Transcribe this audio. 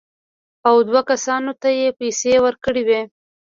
او دوو کسانو ته یې پېسې ورکړې وې.